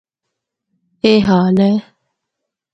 اے حال اے۔